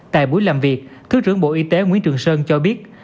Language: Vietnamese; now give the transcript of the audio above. tại buổi làm việc thứ trưởng bộ y tế nguyễn trường sơn cho biết